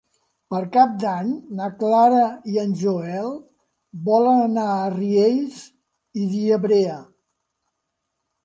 Per Cap d'Any na Clara i en Joel volen anar a Riells i Viabrea.